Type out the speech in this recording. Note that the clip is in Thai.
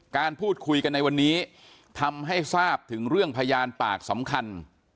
การพูดคุยกันในวันนี้ทำให้ทราบถึงเรื่องพยานปากสำคัญ